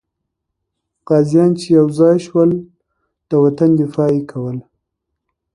غازیان چې یو ځای سول، د وطن دفاع یې کوله.